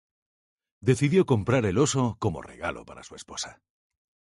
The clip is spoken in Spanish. Decidió comprar el oso como regalo para su esposa.